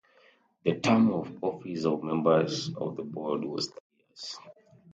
The term of office of members of the board was three years.